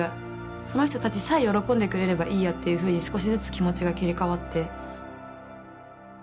その人たちさえ喜んでくれればいいやっていうふうに少しずつ気持ちが切り替わって。